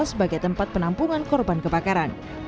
sebagai tempat penampungan korban kebakaran